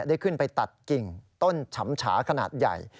ได้ขึ้นไปตัดกิ่งต้นฉำฉาขนาดใหญ่